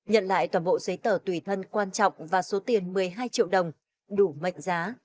nhận lại toàn bộ giấy tờ tùy thân quan trọng và số tiền một mươi hai triệu đồng đủ mệnh giá